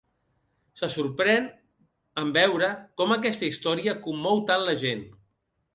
Se sorprèn en veure com aquesta història commou tant la gent.